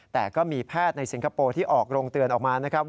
แต่ก็มีแพทย์ในสิงคโปร์ที่ออกโรงเตือนออกมานะครับ